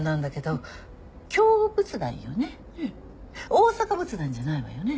大阪仏壇じゃないわよね？